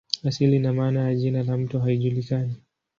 Asili na maana ya jina la mto haijulikani.